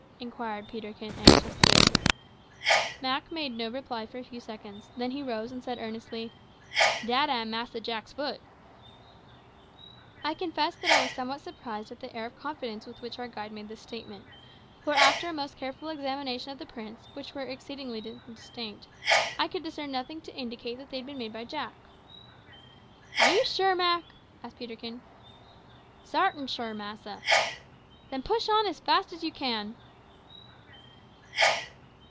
inquired Peterkin anxiously. Mak made no reply for a few seconds; then he rose, and said earnestly, "Dat am Massa Jack's foot." I confess that I was somewhat surprised at the air of confidence with which our guide made this statement; for after a most careful examination of the prints, which were exceedingly indistinct, I could discern nothing to indicate that they had been made by Jack. "Are you sure, Mak?" asked Peterkin. "Sartin sure, massa." "Then push on as fast as you can."